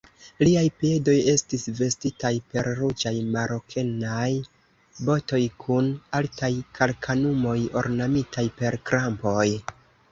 Liaj piedoj estis vestitaj per ruĝaj marokenaj botoj kun altaj kalkanumoj, ornamitaj per krampoj.